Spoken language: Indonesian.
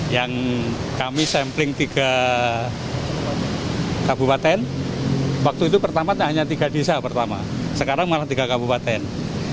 yang kami sampling tiga kabupaten waktu itu pertama hanya tiga desa pertama sekarang malah tiga kabupaten